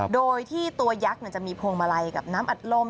โดยที่ตัวยักษ์จะมีพวงมาลัยกับน้ำอัดลม